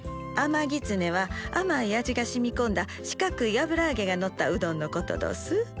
甘ぎつねは甘い味がしみこんだ四角い油あげがのったうどんのことどす。